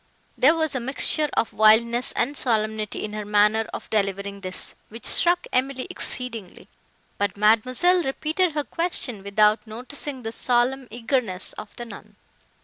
There was a mixture of wildness and solemnity in her manner of delivering this, which struck Emily exceedingly; but Mademoiselle repeated her question, without noticing the solemn eagerness of the nun.